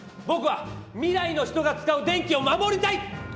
ぼくは未来の人が使う電気を守りたい！